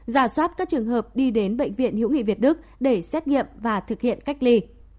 giả soát các trường hợp đi đến bệnh viện hữu nghị việt đức để xét nghiệm và thực hiện cách ly